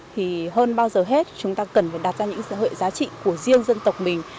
hơn bao giờ hết chúng ta cần đặt ra những hệ giá trị của riêng dân tộc mình